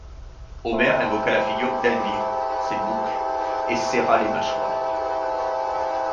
Omer invoqua la figure d'Elvire, ses boucles, et serra les mâchoires.